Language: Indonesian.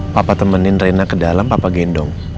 papa temenin rena ke dalam papa gendong